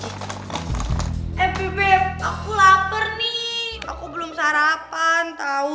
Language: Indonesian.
eh bebep aku lapar nih aku belum sarapan tahu